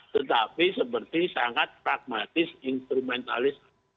tetapi seperti sangat pragmatis instrumentalis